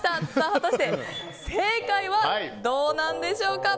果たして正解はどうなんでしょうか。